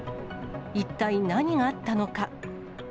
一体何があったのか。